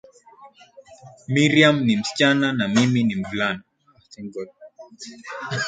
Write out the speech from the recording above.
Mariam ni msichana na mimi ni mvulana